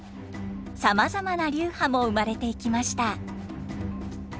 さまざまな流派も生まれていきました。